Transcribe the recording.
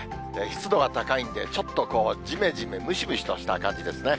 湿度が高いんで、ちょっとじめじめ、ムシムシとした感じですね。